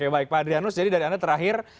baik pak adrianus jadi dari anda terakhir